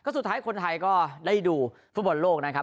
สุดท้ายคนไทยก็ได้ดูฟุตบอลโลกนะครับ